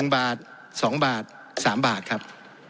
๑บาท๒บาท๓บาทครับ